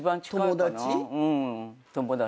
友達？